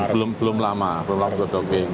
belum lama belum lalu doking